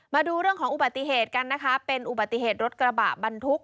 มาดูเรื่องของอุบัติเหตุกันนะคะเป็นอุบัติเหตุรถกระบะบรรทุก